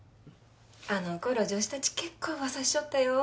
あの頃女子たち結構噂しちょったよ。